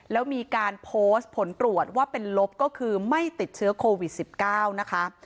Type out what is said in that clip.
แล้วมีการโพสต์ผลตรวจว่าเป็นลบก็คือไม่ติดเชื้อโควิด๑๙นะคะ